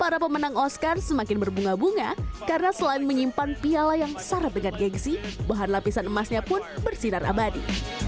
para pemenang oscar semakin berbunga bunga karena selain menyimpan piala yang syarat dengan gengsi bahan lapisan emasnya pun bersinar abadi